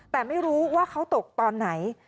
แต่ไม่รู้ว่าเขาตกตอนไหน